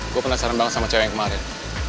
gue penasaran banget sama cara yang kemarin